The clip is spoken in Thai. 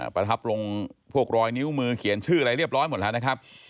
ประทับลงพวกรอยนิ้วมือเขียนชื่ออะไรเรียบร้อยหมดแล้วนะครับ